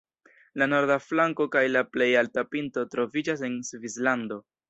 La norda flanko kaj la plej alta pinto troviĝas en Svislando.